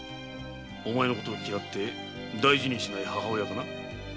お前を嫌って大事にしない母親かな？